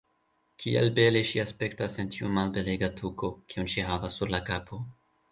Kiel bele ŝi aspektas en tiu malbelega tuko, kiun ŝi havas sur la kapo.